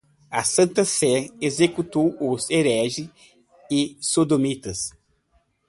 A Santa Sé executou os hereges e sodomitas